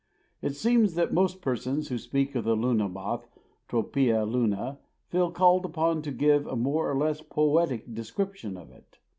It seems that most persons who speak of the Luna moth (Tropaea luna) feel called upon to give a more or less poetic description of it.